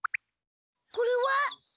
これは？